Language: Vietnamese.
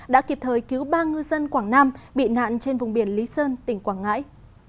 đã kịp thời cứu ba ngư dân quảng nam bị nạn trên vùng biển lý sơn tỉnh quảng ngãi